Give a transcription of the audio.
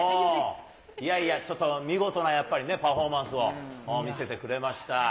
いやいや、ちょっと見事なやっぱりね、パフォーマンスを見せてくれました。